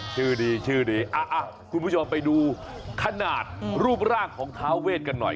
ชื่อดีชื่อดีคุณผู้ชมไปดูขนาดรูปร่างของท้าเวทกันหน่อย